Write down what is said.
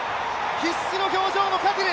必死の表情のカティル。